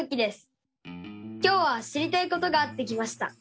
今日は知りたいことがあって来ました。